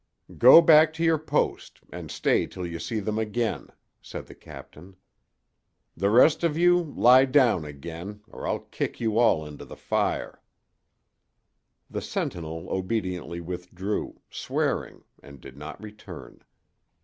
"Go back to your post, and stay till you see them again," said the captain. "The rest of you lie down again, or I'll kick you all into the fire." The sentinel obediently withdrew, swearing, and did not return.